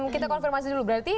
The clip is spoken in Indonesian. kita konfirmasi dulu berarti